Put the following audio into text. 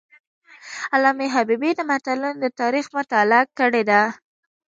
علامه حبیبي د ملتونو د تاریخ مطالعه کړې ده.